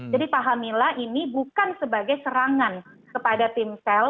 jadi pahamilah ini bukan sebagai serangan kepada tim sel